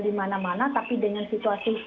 dimana mana tapi dengan situasi